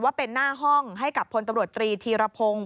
ว่าเป็นหน้าห้องให้กับพลตำรวจตรีธีรพงศ์